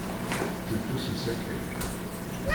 Tetteddu s usakal.